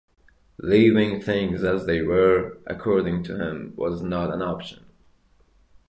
Leaving things as they were, according to him, was not an option.